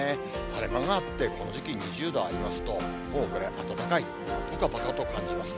晴れ間があって、この時期２０度ありますと、もうこれ、暖かい、ぽかぽかと感じます。